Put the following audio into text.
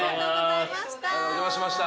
お邪魔しました。